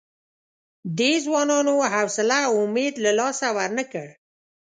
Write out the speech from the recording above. دې ځوانانو حوصله او امید له لاسه ورنه کړ.